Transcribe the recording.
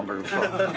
ハハハハ。